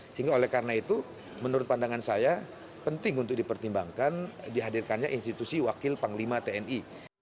sehingga oleh karena itu menurut pandangan saya penting untuk dipertimbangkan dihadirkannya institusi wakil panglima tni